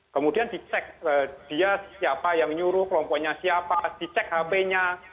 kemudian dicek dia siapa yang nyuruh kelompoknya siapa dicek hp nya